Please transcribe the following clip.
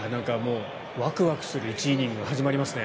ワクワクする１イニングが始まりますね。